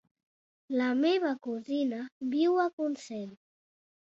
La meva cosina viu a Consell.